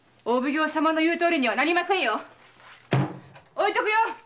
置いとくよ！